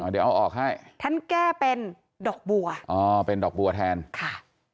เดี๋ยวเอาออกให้ท่านแก้เป็นดอกบัวอ๋อเป็นดอกบัวแทนค่ะ